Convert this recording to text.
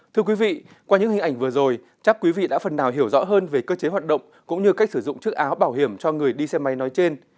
thưa quý vị qua những hình ảnh vừa rồi chắc quý vị đã phần nào hiểu rõ hơn về cơ chế hoạt động cũng như cách sử dụng chiếc áo bảo hiểm cho người đi xe máy nói trên